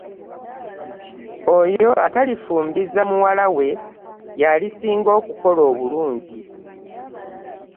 Oyo atalifumbiza muwala we y'alisinga okukola obulungi.